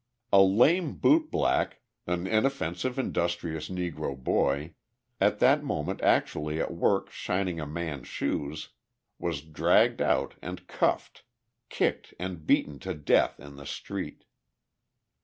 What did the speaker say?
A lame boot black, an inoffensive, industrious Negro boy, at that moment actually at work shining a man's shoes, was dragged out and cuffed, kicked and beaten to death in the street.